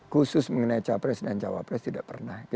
khusus mengenai capres dan cawapres tidak pernah